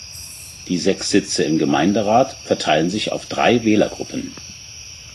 Die sechs Sitze im Gemeinderat verteilen sich auf drei Wählergruppen.